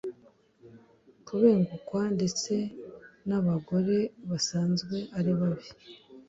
Kubengukwa ndetse n abagore basanzwe ari babi